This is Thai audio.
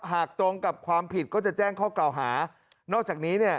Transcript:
ตรงกับความผิดก็จะแจ้งข้อกล่าวหานอกจากนี้เนี่ย